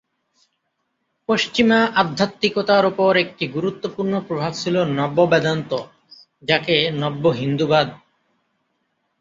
পশ্চিমা আধ্যাত্মিকতার উপর একটি গুরুত্বপূর্ণ প্রভাব ছিল নব্য-বেদান্ত, যাকে নব্য-হিন্দুবাদ।